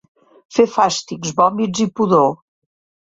Fer fàstics, vòmits i pudor.